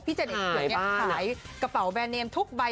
พี่เจ๋นเอกเขียวเนี่ยขายกระเป๋าแบรนเนมทุกใบ